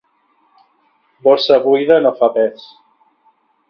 Bossa buida no fa pes.